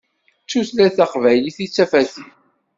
D tutlayt taqbaylit i d tafat-iw.